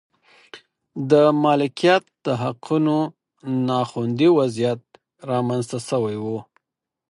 د مالکیت د حقونو نا خوندي وضعیت رامنځته شوی و.